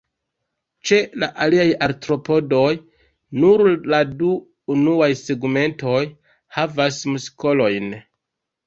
Ĉe la aliaj Artropodoj, nur la du unuaj segmentoj havas muskolojn.